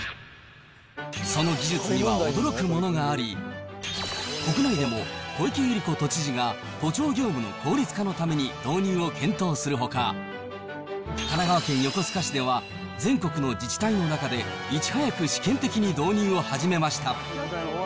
その技術には驚くものがあり、国内でも小池百合子都知事が都庁業務の効率化のために導入を検討するほか、神奈川県横須賀市では、全国の自治体の中でいち早く試験的に導入を始めました。